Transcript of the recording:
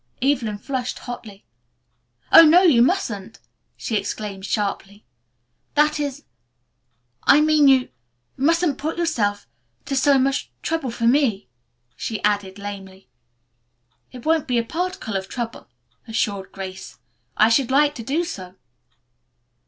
Evelyn flushed hotly. "Oh, no, you mustn't!" she exclaimed sharply. "That is I mean you mustn't put yourself to so much trouble for me," she added lamely. "It won't be a particle of trouble," assured Grace. "I should like to do so."